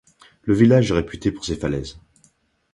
Le village est réputé pour ses falaises.